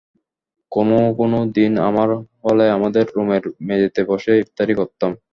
কোনো কোনো দিন আমরা হলে আমাদের রুমের মেঝেতে বসে ইফতারি করতাম।